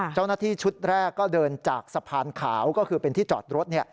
เจ้าหน้าที่ชุดแรกก็เดินจากสะพานขาวก็คือเป็นที่จอดรถ